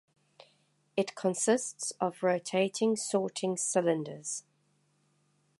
It consists of rotating sorting cylinders.